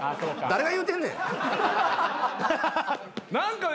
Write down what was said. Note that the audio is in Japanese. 誰が言うてんねん。